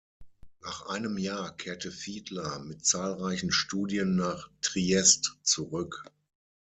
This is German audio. Nach einem Jahr kehrte Fiedler mit zahlreichen Studien nach Triest zurück.